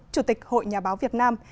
chủ tịch hội nhà báo việt nam